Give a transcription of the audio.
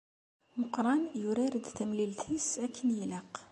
Meqqran yurar-d tamlilt-is akken ilaq.